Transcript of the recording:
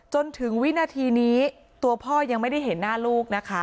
จนถึงวินาทีนี้ตัวพ่อยังไม่ได้เห็นหน้าลูกนะคะ